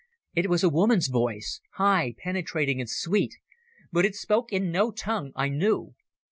It was a woman's voice, high, penetrating, and sweet, but it spoke in no tongue I knew.